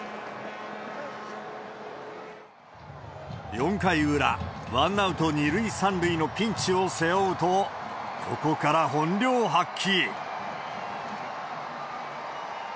４回裏、ワンアウト２塁３塁のピンチを背負うと、ここから本領発揮。